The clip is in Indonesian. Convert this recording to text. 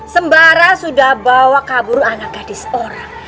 sembara sudah bawa kabur anak gadis orang